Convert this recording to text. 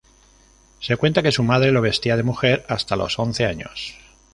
Se cuenta que su madre lo vestía de mujer hasta los once años.